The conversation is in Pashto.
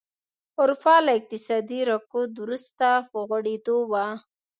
اروپا له اقتصادي رکود وروسته په غوړېدو وه.